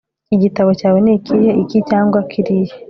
Igitabo cyawe nikihe iki cyangwa kiriya